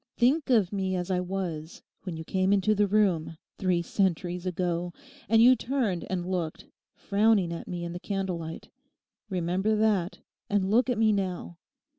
Think of me as I was when you came into the room, three centuries ago, and you turned and looked, frowning at me in the candle light; remember that and look at me now.